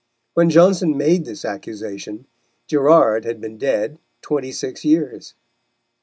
When Johnson made this accusation, Gerard had been dead twenty six years.